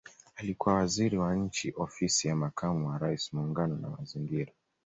Alikuwa Waziri wa Nchi Ofisi ya Makamu wa Rais Muungano na Mazingira